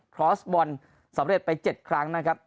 รอสบอลสำเร็จไป๗ครั้งนะครับ